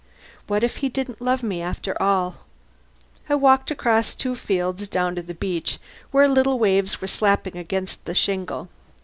What if he didn't love me after all? I walked across two fields, down to the beach where little waves were slapping against the shingle.